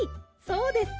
そうです。